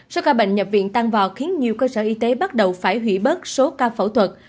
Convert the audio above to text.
số ca bệnh nhập viện tăng vọt khiến nhiều cơ sở y tế bắt đầu phải hủy bớt số ca phẫu thuật